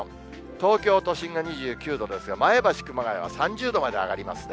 東京都心が２９度ですが、前橋、熊谷は３０度まで上がりますね。